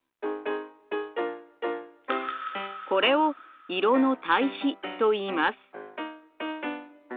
これを色の対比といいます。